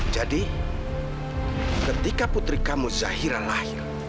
jadi ketika putri kamu zahira lahir